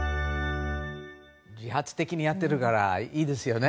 自発的にやっているからいいですよね。